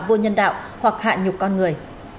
vô nhân đạo hoặc hạ nhục con người